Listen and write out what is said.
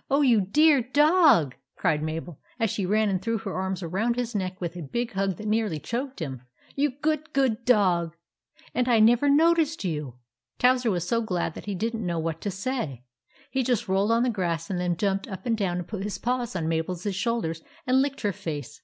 " Oh, you dear dog !" cried Mabel, as she ran and threw her arms around his neck with a big hug that nearly choked him. " You good, good dog ! And I never no ticed you !" Towser was so glad that he did n't know what to say. He just rolled on the grass, and then jumped up and down and put his paws on Mabel's shoulders and licked her face.